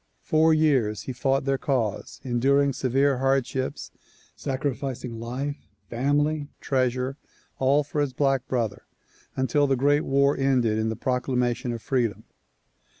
Four years he fought their cause, enduring severe hardships, sacrificing life, family, treasure, all for his black brother until the great war ended in the proclamation of freedom.